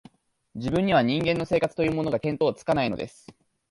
自分には、人間の生活というものが、見当つかないのです